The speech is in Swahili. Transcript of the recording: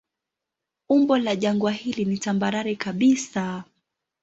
Umbo la jangwa hili ni tambarare kabisa.